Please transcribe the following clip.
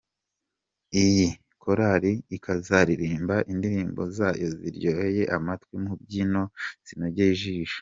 Iyi Korari ikazaririmba indirimbo zayo ziryoheye amatwi mu mbyino zinogeye ijisho.